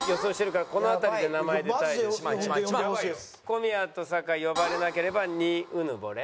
小宮と酒井呼ばれなければ２うぬぼれ。